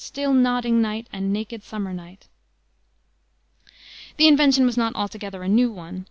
Still, nodding night! mad, naked, summer night!" The invention was not altogether a new one.